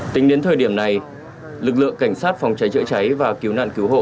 tính đến thời điểm này lực lượng cảnh sát phòng cháy chữa cháy và cứu nạn cứu hộ